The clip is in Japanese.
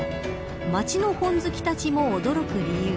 街の本好きたちも驚く理由。